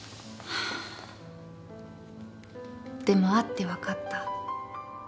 でも会って分かった。